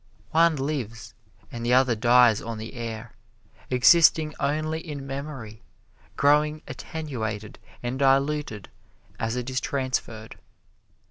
One lives, and the other dies on the air, existing only in memory, growing attenuated and diluted as it is transferred.